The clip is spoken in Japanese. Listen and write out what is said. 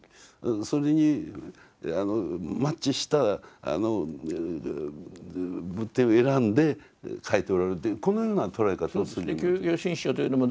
それにマッチした仏典を選んで書いておられるとこのような捉え方をするようになった。